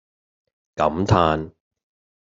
感嘆